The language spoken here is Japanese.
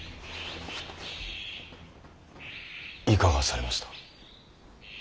いかがされました。